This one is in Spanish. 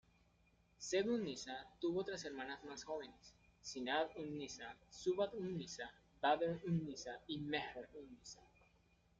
Zeb-un-Nisa tuvo otras hermanas más jóvenes: Zinat-un-Nissa, Zubdat-un-Nissa, Badr-un-Nissa y Mehr-un-Nissa.